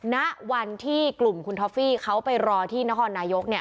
ณวันที่กลุ่มคุณท็อฟฟี่เขาไปรอที่นครนายกเนี่ย